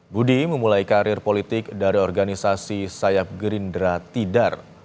budi memulai karir politik dari organisasi sayap gerindra tidar